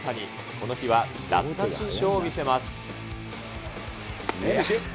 この日は奪三振ショーを見せます。